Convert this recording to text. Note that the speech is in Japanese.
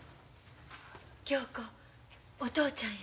恭子お父ちゃんや。